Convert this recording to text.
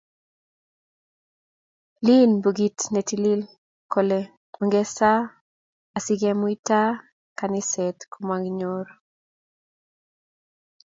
Liin bukuit ne tilil koleongesaa asikuamta kaniset komanyokor